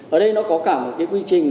ở đây nó có cả một cái quy trình